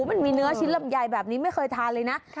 มันมีเนื้อชิ้นลำไยแบบนี้ไม่เคยทานเลยนะ